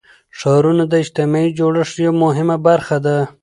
ښارونه د اجتماعي جوړښت یوه مهمه برخه ده.